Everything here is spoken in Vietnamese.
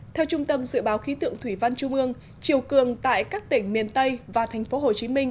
theo trung tâm dự báo khí tượng thủy văn trung ương chiều cường tại các tỉnh miền tây và thành phố hồ chí minh